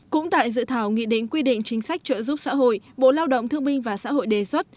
cũng tại dự thảo nghị định quy định chính sách trợ giúp xã hội bộ lao động thương minh và xã hội đề xuất